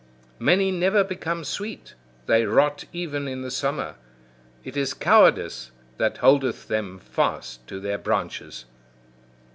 Many never become sweet; they rot even in the summer. It is cowardice that holdeth them fast to their branches.